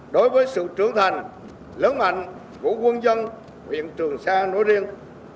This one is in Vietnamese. đối với sự trưởng thành lớn mạnh của quân dân huyện trường sa nối riêng